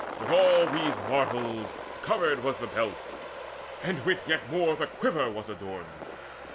With all these marvels covered was the belt; And with yet more the quiver was adorned.